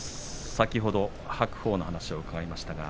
先ほど白鵬の話を伺いました。